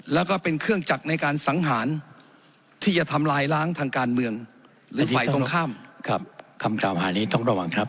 และเป็นเครื่องจักรในการสังหารที่จะทำลายแล้งทางการเมือง